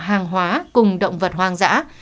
hàng hóa cùng động vật hoang dã